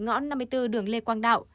ngõ năm mươi bốn đường lê quang đạo